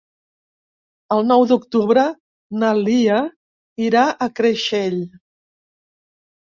El nou d'octubre na Lia irà a Creixell.